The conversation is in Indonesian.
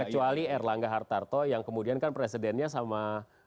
kecuali erlangga hartarto yang kemudian kan presidennya sama